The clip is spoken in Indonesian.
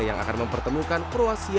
yang akan mempertemukan kroasia